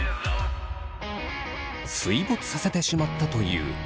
水没させてしまったというネルさんは。